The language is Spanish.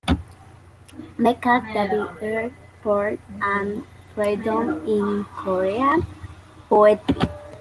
McCann, David R. "Form and Freedom in Korean Poetry".